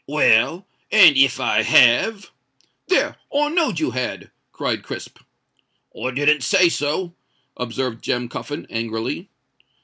"Well—and if I have——" "There! I knowed you had," cried Crisp. "I didn't say so," observed Jem Cuffin, angrily.